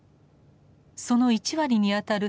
その１割にあたる